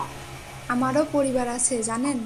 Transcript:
আমারও পরিবার আছে, জানেন।